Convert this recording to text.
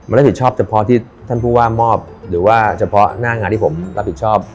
มันรับผิดชอบเฉพาะที่ท่านผู้ว่ามอบหรือว่าเฉพาะหน้างานที่ผมรับผิดชอบ